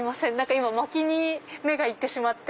今薪に目が行ってしまって。